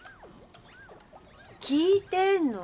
聞いてんの？